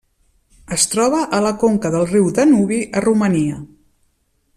Es troba a la conca del riu Danubi a Romania.